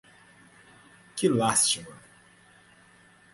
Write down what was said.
Que lástima!